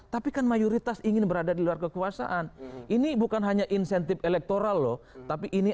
tapi kan mayoritas ingin berada di luar kekuasaan ini bukan hanya insentif elektoral loh tapi ini